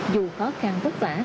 dù khó khăn vất vả